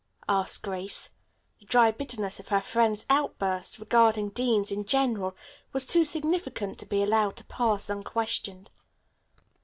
asked Grace. The dry bitterness of her friend's outburst regarding deans in general was too significant to be allowed to pass unquestioned.